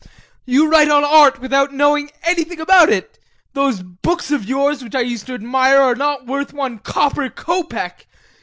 You write on art without knowing anything about it. Those books of yours which I used to admire are not worth one copper kopeck.